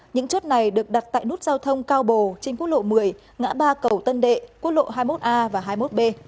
những chốt này được đặt tại nút giao thông cao bồ trên quốc lộ một mươi ngã ba cầu tân đệ quốc lộ hai mươi một a và hai mươi một b